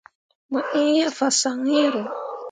Mo iŋ ye fasaŋ iŋro.